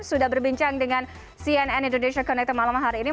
sudah berbincang dengan cnn indonesia connected malam hari ini